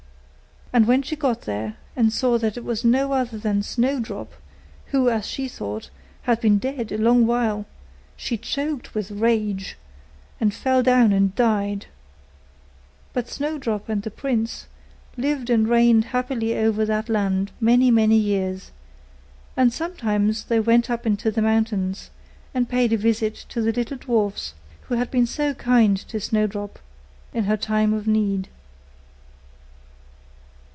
And when she got there, and saw that it was no other than Snowdrop, who, as she thought, had been dead a long while, she choked with rage, and fell down and died: but Snowdrop and the prince lived and reigned happily over that land many, many years; and sometimes they went up into the mountains, and paid a visit to the little dwarfs, who had been so kind to Snowdrop in her time of need.